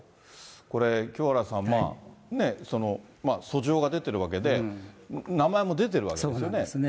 これ、清原さん、訴状が出てるわけで、名前も出ているわけですよね。